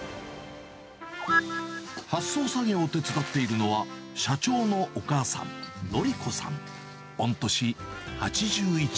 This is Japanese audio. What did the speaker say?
発送作業を手伝っているのは、社長のお母さん、紀子さん。